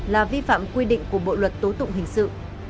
là vi phạm quy định của bộ luật tố tụng hình sự